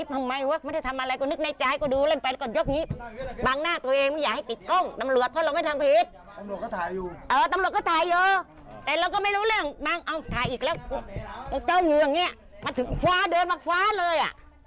เฟรมาตรงนี้แล้วก็พว่ำหมดเลย